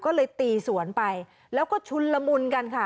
ก็เลยตีสวนไปแล้วก็ชุนละมุนกันค่ะ